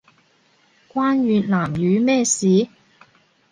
關越南語咩事